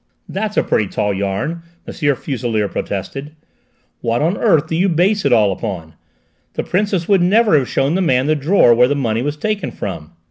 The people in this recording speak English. "That's a pretty tall yarn!" M. Fuselier protested. "What on earth do you base it all upon? The Princess would never have shown the man the drawer where the money was taken from!"